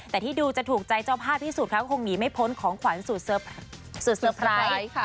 แต่ที่ดูจะถูกใจเจ้าภาพที่สุดครับก็คงหนีไม่พ้นของขวัญสุดเซอร์ไพรส์สุดเซอร์ไพรส์ค่ะ